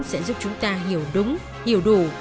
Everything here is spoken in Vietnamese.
sẽ giúp chúng ta hiểu đúng hiểu đủ